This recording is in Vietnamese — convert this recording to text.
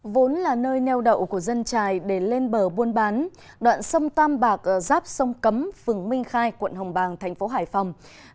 vốn là nơi neo đậu của dân trài để lên bờ buôn bán đoạn sông tam bạc giáp sông cấm phường minh khai quận hồng bàng thành phố hải phòng